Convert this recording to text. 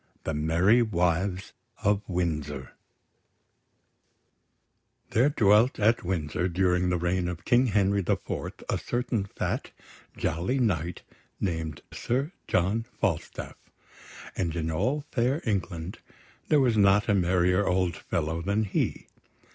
THE MERRY WIVES OF WINDSOR There dwelt at Windsor during the reign of King Henry the Fourth a certain fat, jolly knight named Sir John Falstaff; and in all fair England there was not a merrier old fellow than he.